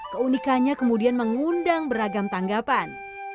keunikannya kemudian mengundang beragam tanggapan